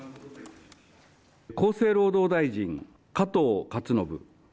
厚生労働大臣、加藤勝信。